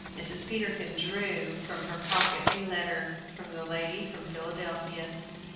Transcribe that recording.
Mrs. Peterkin drew from her pocket a letter from the lady from Philadelphia.